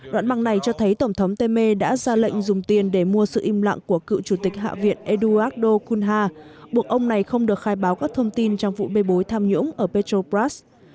đoạn băng này cho thấy tổng thống temer đã ra lệnh dùng tiền để mua sự im lặng của cựu chủ tịch hạ viện eduarddo kunha buộc ông này không được khai báo các thông tin trong vụ bê bối tham nhũng ở petrobras